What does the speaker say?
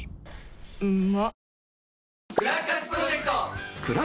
うんまっ。